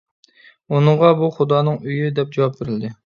ئۇنىڭغا «بۇ خۇدانىڭ ئۆيى» دەپ جاۋاب بېرىلدى.